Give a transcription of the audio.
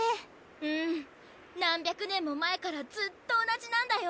うん何百年も前からずっと同じなんだよ。